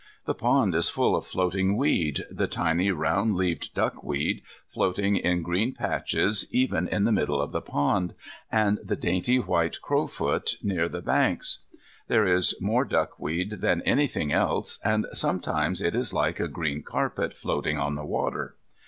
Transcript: The pond is full of floating weed, the tiny round leaved duckweed, floating in green patches even in the middle of the pond, and the dainty white crowfoot, near the banks. There is more duckweed than anything else, and sometimes it is like a green carpet floating on the water.